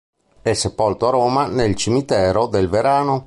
È sepolto a Roma nel Cimitero del Verano.